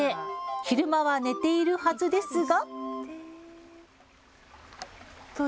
昼間は寝ているはずですが。